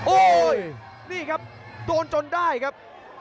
โอ้โหนี่ครับโดนจนได้ครับ